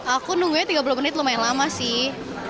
aku nunggunya tiga puluh menit lumayan lama sih